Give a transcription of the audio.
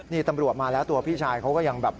นี่ตำรวจมาแล้วตัวพี่ชายเขาก็ยังแบบ